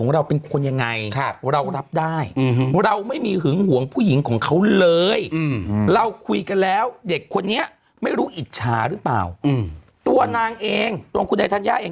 วันนี้นางก็คงยอดถึงที่สุด